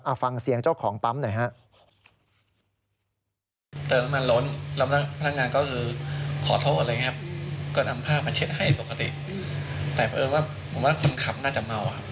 เอาฟังเสียงเจ้าของปั๊มหน่อยฮะ